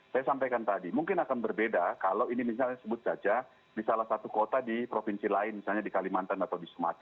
saya sampaikan tadi mungkin akan berbeda kalau ini misalnya sebut saja di salah satu kota di provinsi lain misalnya di kalimantan atau di sumatera